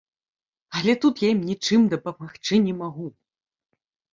Але тут я ім нічым дапамагчы не магу.